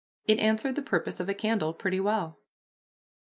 It answered the purpose of a candle pretty well.